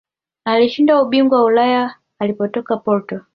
alishinda ubingwa wa ulaya alipokuwa porto